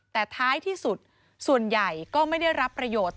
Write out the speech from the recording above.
แต่ท้ายที่สุดส่วนใหญ่ก็ไม่ได้รับประโยชน์